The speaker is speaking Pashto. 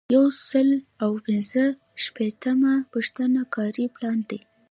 یو سل او پنځه شپیتمه پوښتنه کاري پلان دی.